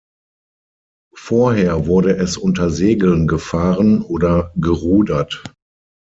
Vorher wurde es unter Segeln gefahren oder gerudert.